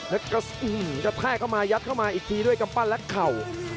แล้วก็กระแทกเข้ามายัดเข้ามาอีกทีด้วยกำปั้นและเข่า